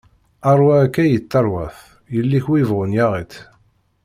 Rrwa akka i yettarwat, yelli-k wi bɣun yaɣ-itt.